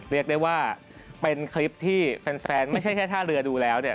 เรียกได้ว่าเป็นคลิปที่แฟนไม่ใช่แค่ท่าเรือดูแล้วเนี่ย